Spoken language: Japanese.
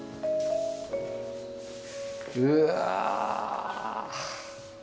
うわ。